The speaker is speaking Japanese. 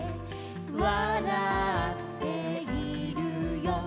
「わらっているよ」